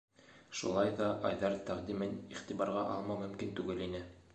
Шулай ҙа Айҙар тәҡдимен иғтибарға алмау мөмкин түгел ине.